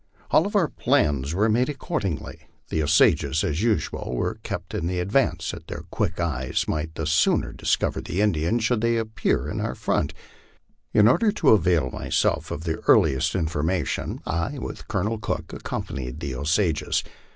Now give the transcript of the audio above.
All our plans were made accordingly. The Osages, as usual, were kept in the advance, that their quick eyes might the sooner discover the Indians should they appear in our front. In order to avail myself of the earliest in formation, I, with Colonel Cook, accompanied the Osages.